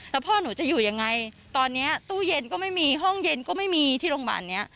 แล้วพ่อหนูจะอยู่ยังไงตอนนี้ตู้เย็นก็ไม่มีห้องเย็นก็ไม่มีที่โรงพยาบาลนี้